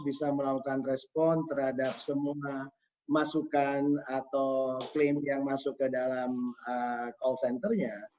bisa melakukan respon terhadap semua masukan atau klaim yang masuk ke dalam call centernya